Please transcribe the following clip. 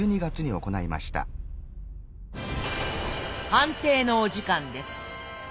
判定のお時間です。